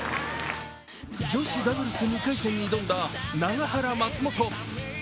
女子ダブルス２回戦に挑んだ永原・松本。